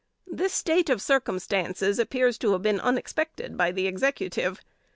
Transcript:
This state of circumstances appears to have been unexpected by the Executive.